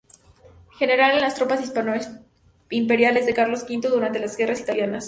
General de las tropas hispano-imperiales de Carlos V durante las Guerras Italianas.